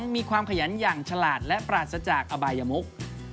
มีความขยันอย่างฉลาดและปราศจากอบายมุก